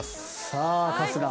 さあ春日。